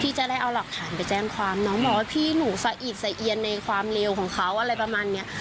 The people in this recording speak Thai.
จะได้เอาหลักฐานไปแจ้งความน้องบอกว่าพี่หนูสะอิดสะเอียนในความเร็วของเขาอะไรประมาณเนี้ย